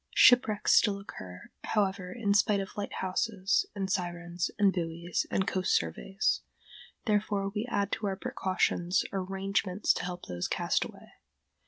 ] Shipwrecks still occur, however, in spite of lighthouses and sirens and buoys and coast surveys; therefore we add to our precautions arrangements to help those cast away.